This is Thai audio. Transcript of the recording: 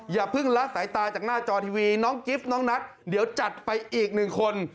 อย่าเพิ่งละสายตาจากหน้าจอทีวีน้องกิฟต์น้องนัทเดี๋ยวจัดไปอีกหนึ่งคน